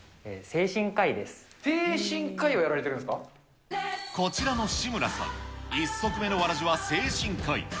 精神科医をやられてるんですこちらの志村さん、一足目のわらじは精神科医。